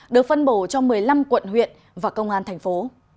được phân bổ cho một mươi năm quận huyện và công an thành phố